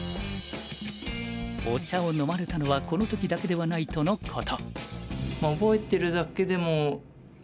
お茶を飲まれたのはこの時だけではないとのこと。